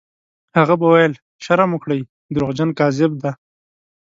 هغه به ویل: «شرم وکړئ! دروغجن، کذاب دی».